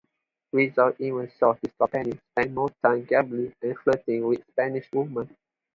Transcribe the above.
Rizal even saw his companions spend more time gambling and flirting with Spanish women.